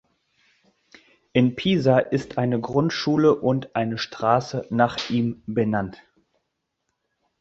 In Pisa ist eine Grundschule und eine Straße nach ihm benannt.